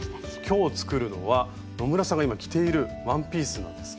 今日作るのは野村さんが今着ているワンピースなんですって。